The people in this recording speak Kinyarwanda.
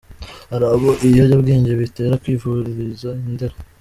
Hari abo ibiyobyabwenge bitera kwivuriza i Ndera